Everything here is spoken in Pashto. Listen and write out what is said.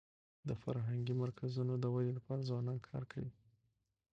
د فرهنګي مرکزونو د ودي لپاره ځوانان کار کوي.